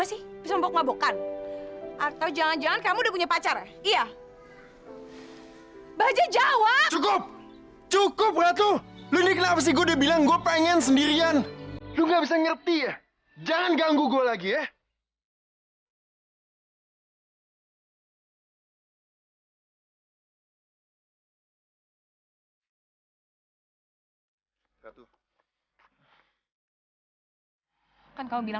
sampai jumpa di video selanjutnya